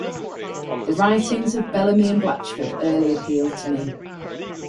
The writings of Bellamy and Blatchford early appealed to me.